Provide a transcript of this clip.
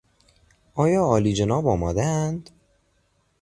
آیا عالیجناب آمادهاند؟